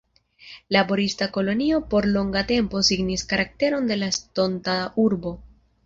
Laborista kolonio por longa tempo signis karakteron de la estonta urbo.